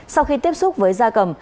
sau khi tiếp xúc với da cầm